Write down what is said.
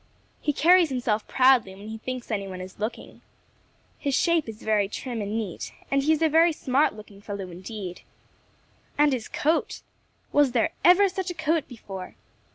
He carries himself proudly when he thinks any one is looking. His shape is very trim and neat, and he is a very smart looking fellow indeed. And his coat! Was there ever such a coat before?